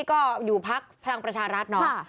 ก็อยู่ภาคภังประชารัฐเนอะ